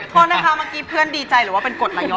ขอนะครับเมื่อกี้เพื่อนดีใจหรือว่าเป็นกฎหลายย้อ